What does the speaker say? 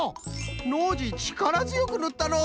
ノージーちからづよくぬったのう！